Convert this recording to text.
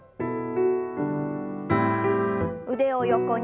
腕を横に。